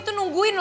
kita bunuh ini